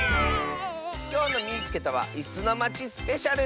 きょうの「みいつけた！」は「いすのまちスペシャル」！